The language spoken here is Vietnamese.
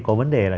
có vấn đề là